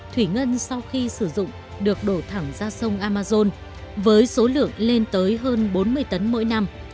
thủy ngân sau khi sử dụng được đổ thẳng ra sông amazon với số lượng lên tới hơn bốn mươi tấn mỗi năm